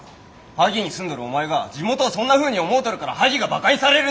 萩に住んどるお前が地元をそんなふうに思うとるから萩がバカにされるんじゃ。